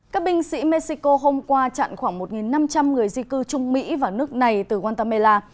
các binh sĩ mexico hôm qua chặn khoảng một năm trăm linh người di cư trung mỹ vào nước này từ guatemala